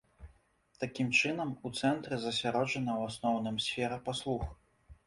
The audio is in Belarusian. Такім чынам, у цэнтры засяроджана ў асноўным сфера паслуг.